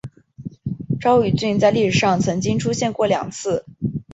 刈羽郡在历史上曾经出现过两次。